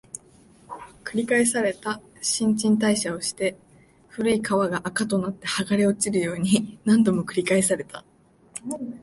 繰り返された、新陳代謝をして、古い皮が垢となって剥がれ落ちるように、何度も繰り返された